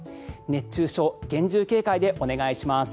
熱中症、厳重警戒でお願いします。